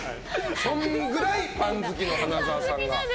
そのくらいパン好きの花澤さん。